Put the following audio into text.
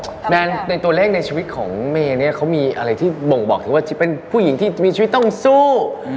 แมนในตัวเลขในชีวิตของเมย์เนี่ยเขามีอะไรที่บ่งบอกถึงว่าจะเป็นผู้หญิงที่มีชีวิตต้องสู้